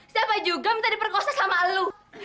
siapa juga minta diperkosa sama alu